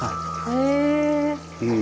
へえ。